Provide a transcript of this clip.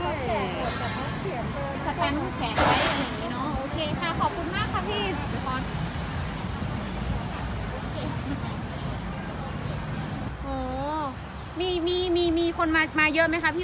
แต่เค้าใช้วิธีการตรวจอยู่ยังไงครับพี่